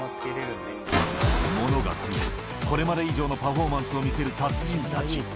ものが増え、これまで以上のパフォーマンスを見せる達人たち。